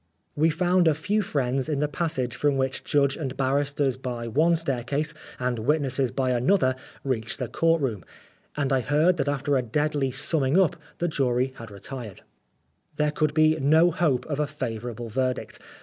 We found a few friends in the passage from which judge and barristers by one staircase, and witnesses by another, reach the court room, and I heard that after a deadly summing up the jury had retired, 187 Oscar Wilde There could be no hope of a favourable verdict.